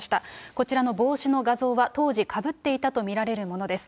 こちらの帽子の画像は当時かぶっていたと見られるものです。